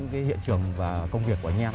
cái hiện trường và công việc của anh em